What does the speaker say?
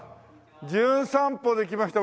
『じゅん散歩』で来ました